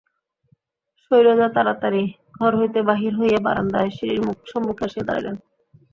শৈলজা তাড়াতাড়ি ঘর হইতে বাহির হইয়া বারান্দায় সিঁড়ির সম্মুখে আসিয়া দাঁড়াইল।